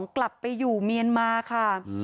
กลับไปอยู่เมียนมาค่ะ